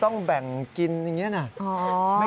ต้องแบ่งกินอย่างนี้นะ